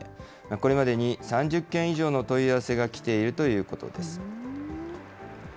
これまでに３０件以上の問い合わせが来ているということです。